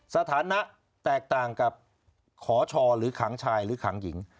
สถานะแตกต่างกับขอชอหรือขังชายหรือขังหญิง